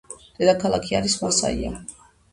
დედაქალაქი არის მასაია.